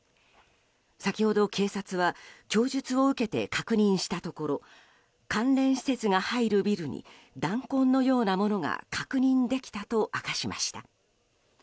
先ほど、警察は供述を受けて確認したところ関連施設が入るビルに弾痕のようなものが確認できたと明かしました。